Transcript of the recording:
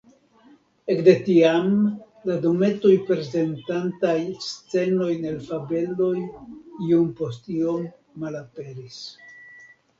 Ekde tiam, la dometoj prezentantaj scenojn el fabeloj iom post iom malaperis.